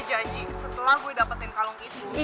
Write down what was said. gue janji setelah gue dapetin kalung ini